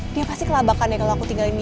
dia pasti kelabakan ya kalau aku tinggalin